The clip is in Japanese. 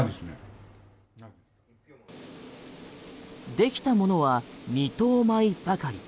できたものは二等米ばかり。